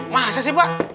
masa sih pak